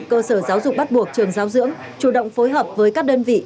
cơ sở giáo dục bắt buộc trường giáo dưỡng chủ động phối hợp với các đơn vị